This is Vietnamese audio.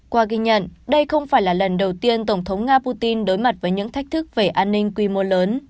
qua ghi nhận đây không phải là lần đầu tiên tổng thống nga putin đối mặt với những thách thức về an ninh quy mô lớn